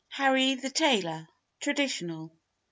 HARRY THE TAILOR. (TRADITIONAL.)